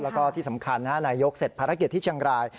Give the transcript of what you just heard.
แล้วก็ที่สำคัญนายกเสร็จภารกิจที่เชียงราย